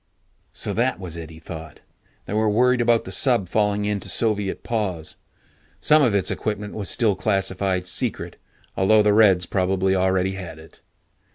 So that was it, he thought. They were worried about the sub falling into Soviet paws. Some of its equipment was still classified "secret", although the Reds probably already had it.